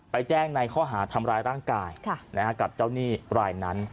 แจ้งในข้อหาทำร้ายร่างกายกับเจ้าหนี้รายนั้น